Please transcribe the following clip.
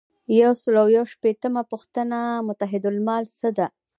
یو سل او یو شپیتمه پوښتنه متحدالمال ده.